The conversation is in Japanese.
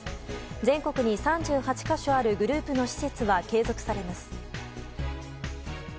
全国に３８か所あるグループの施設は継続されます。